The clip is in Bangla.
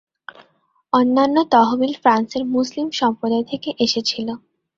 অন্যান্য তহবিল ফ্রান্সের মুসলিম সম্প্রদায় থেকে এসেছিলো।